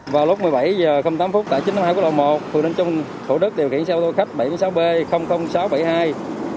vào lúc một mươi bảy h tám tại chín tháng hai quốc lộ một phường ninh trung thủ đức điều khiển xe ô tô khách bảy mươi sáu b sáu trăm bảy mươi hai